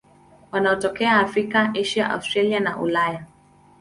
Wanatokea Afrika, Asia, Australia na Ulaya.